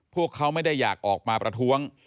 พวกเขาไม่ได้อยากออกมาประท้วง